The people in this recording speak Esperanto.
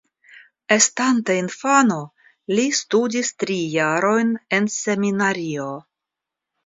Estante infano li studis tri jarojn en seminario.